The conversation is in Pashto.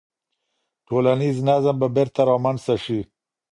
ټولنیز نظم به بیرته رامنځته سي.